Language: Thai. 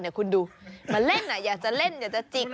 คุณดูมาเล่นอยากจะเล่นอยากจะจิก